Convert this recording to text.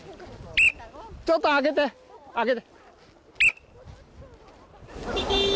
ちょっとあけて、あけて。